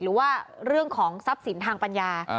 หรือว่าเรื่องของทรัพย์สินทางปัญญา